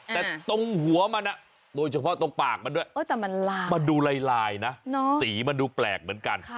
แต่ตรงหัวมันโดยเฉพาะตรงปากมันด้วยแต่มันลายมันดูลายนะสีมันดูแปลกเหมือนกัน